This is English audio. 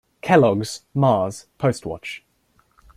Kelloggs, Mars, Postwatch.